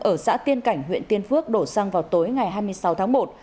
ở xã tiên cảnh huyện tiên phước đổ xăng vào tối ngày hai mươi sáu tháng một